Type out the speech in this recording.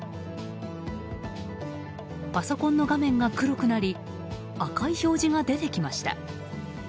パソコンの画面が黒くなり赤い表示が出てきました。